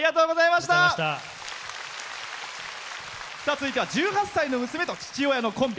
続いては１８歳の娘と父親のコンビ。